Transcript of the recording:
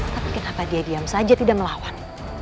tapi kenapa diaidam saja tidak melawan